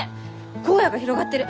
荒野が広がってる！